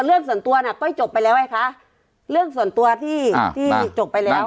เรื่องส่วนตัวน่ะก้อยจบไปแล้วไงคะเรื่องส่วนตัวที่ที่จบไปแล้ว